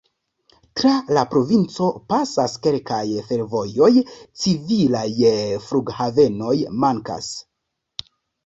Tra la provinco pasas kelkaj fervojoj, civilaj flughavenoj mankas.